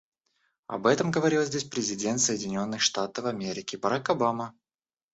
Об этом говорил здесь президент Соединенных Штатов Америки Барак Обама.